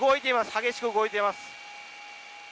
激しく動いています。